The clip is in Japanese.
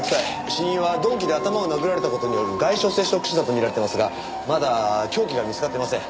死因は鈍器で頭を殴られた事による外傷性ショック死だと見られていますがまだ凶器が見つかっていません。